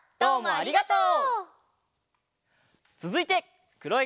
ありがとう。